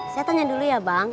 saya tanya dulu ya bang